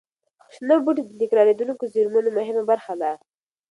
شنه بوټي د تکرارېدونکو زېرمونو مهمه برخه ده.